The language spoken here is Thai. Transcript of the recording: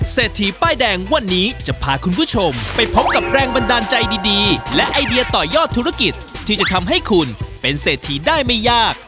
เศรษฐีป้ายแดงวันนี้จะพาคุณผู้ชมไปพบกับแรงบันดาลใจดีและไอเดียต่อยอดธุรกิจที่จะทำให้คุณเป็นเศรษฐีได้ไม่ยาก